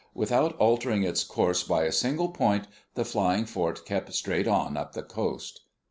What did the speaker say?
Without altering its course by a single point the flying fort kept straight on up the coast.